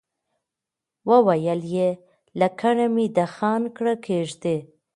وويل يې لکڼه مې د خان کړه کېږدئ.